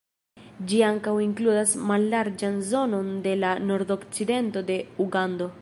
Ĝi ankaŭ inkludas mallarĝan zonon de la nordokcidento de Ugando.